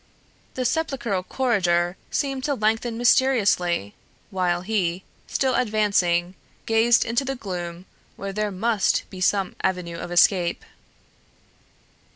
The sepulchral corridor seemed to lengthen mysteriously, while he, still advancing, gazed into the gloom where there must be some avenue of escape.